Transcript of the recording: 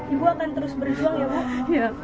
ibu akan terus berjuang ya pak